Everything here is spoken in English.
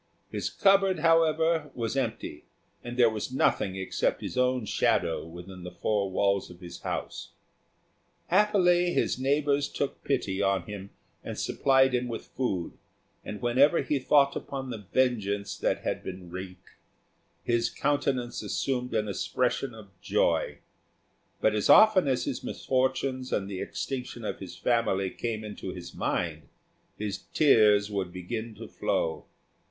His cupboard, however, was empty, and there was nothing except his own shadow within the four walls of his house. Happily, his neighbours took pity on him and supplied him with food; and whenever he thought upon the vengeance that had been wreaked, his countenance assumed an expression of joy; but as often as his misfortunes and the extinction of his family came into his mind, his tears would begin to flow.